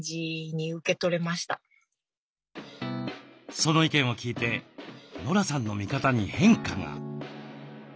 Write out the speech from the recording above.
その意見を聞いてノラさんの見方に変化が。